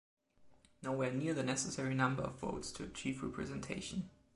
Nowhere near the necessary number of votes to achieve representation.